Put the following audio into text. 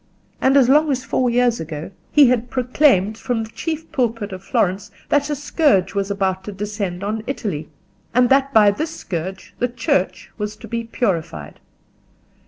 And as long as four years ago he had proclaimed from the chief pulpit of Florence that a scourge was about to descend on Italy, and that by this scourge the Church was to be purified.